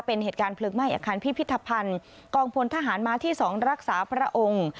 เป็นเหตุการณ์เพลิงไหม้อาคารพิพิธภัณฑ์กองพลทหารม้าที่๒รักษาพระองค์